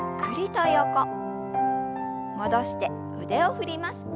戻して腕を振ります。